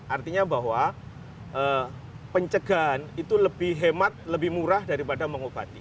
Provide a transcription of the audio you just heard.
artinya bahwa pencegahan itu lebih hemat lebih murah daripada mengobati